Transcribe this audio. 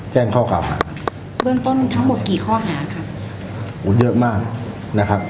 แจ้งข้อกล่าวหาเบื้องต้นทั้งหมดกี่ข้อหาครับโหเยอะมากนะครับ